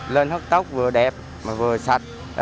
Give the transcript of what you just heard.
lên cắt tóc vừa đẹp mà vừa sạch